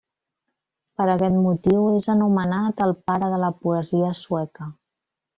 Per aquest motiu, és anomenat el pare de la poesia sueca.